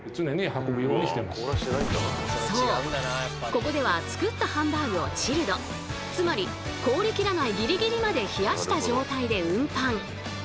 ここでは作ったハンバーグをチルドつまり凍りきらないギリギリまで冷やした状態で運搬。